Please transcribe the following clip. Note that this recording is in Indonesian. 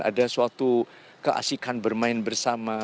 ada suatu keasikan bermain bersama